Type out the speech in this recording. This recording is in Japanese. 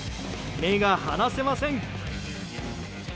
目が離せません。